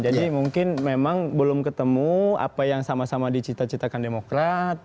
jadi mungkin memang belum ketemu apa yang sama sama dicita citakan demokrat